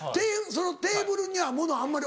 そのテーブルには物あんまり置かない？